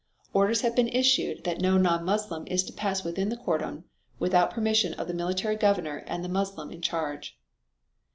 Orders have been issued that no non Moslem is to pass within the cordon without permission of the military governor and the Moslem in charge."